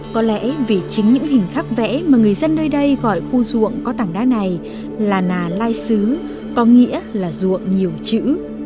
có lẽ vì chính những hình khắc vẽ mà người dân nơi đây gọi khu ruộng có tảng đá này là nà lai xứ có nghĩa là ruộng nhiều chữ